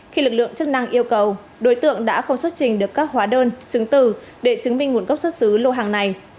khi lực lượng chức năng yêu cầu đối tượng đã không xuất trình được các hóa đơn chứng tử để chứng minh nguồn gốc xuất xứ lô hàng này